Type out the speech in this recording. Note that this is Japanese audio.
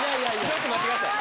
ちょっと待って下さい。